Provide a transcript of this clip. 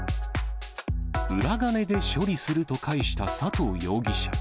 裏金で処理すると返した佐藤容疑者。